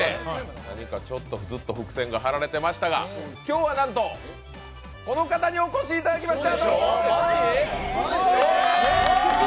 何かちょっとずっと伏線が張られてましたが今日はなんと、この方にお越しいただきました。